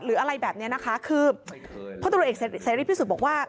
อะไรแบบนี้นะคะคือพลตรวจเอกเสรีพิสุทธิ์บอกว่า